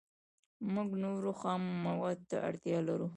موږ نورو خامو موادو ته اړتیا لرو